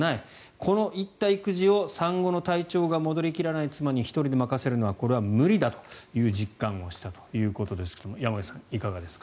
この育児を産後の体調が戻らない妻に１人で任せるのはこれは無理だという実感をしたということですが山口さん、いかがですか？